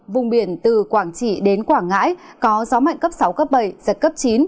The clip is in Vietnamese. vùng biển từ quảng trị đến quảng ngãi có gió mạnh cấp sáu cấp bảy giật cấp chín